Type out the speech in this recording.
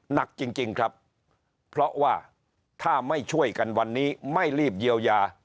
หนักจริงครับเพราะว่าถ้าไม่ช่วยกันวันนี้ไม่รีบเยียวยา